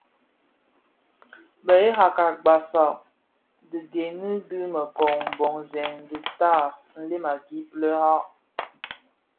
Bēghèrakèn basag tigèni dhi mekon mboňzèn dhitaa mlem a gib lè ag.